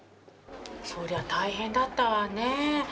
そりゃ大変だったわねぇ。